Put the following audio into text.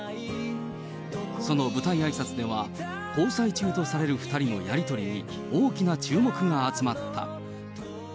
その舞台あいさつでは、交際中とされる２人のやり取りに、大きな注目が集まった。